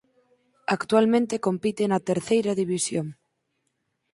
Actualmente compite na Terceira División.